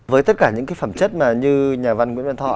với tất cả những cái phẩm chất mà như nhà văn nguyễn văn thọ